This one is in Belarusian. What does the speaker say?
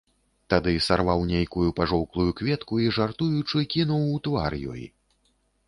Тады сарваў нейкую пажоўклую кветку і, жартуючы, кінуў у твар ёй.